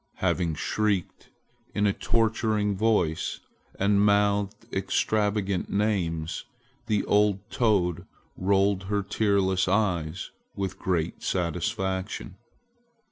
Having shrieked in a torturing voice and mouthed extravagant names, the old toad rolled her tearless eyes with great satisfaction.